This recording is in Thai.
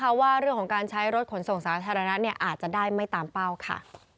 เพราะว่าเรื่องของการใช้รถขนส่งสาธารณะเนี่ยอาจจะได้ไม่ตามเป้าค่ะ